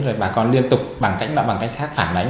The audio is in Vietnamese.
rồi bà con liên tục bằng cách nào bằng cách khác phản đánh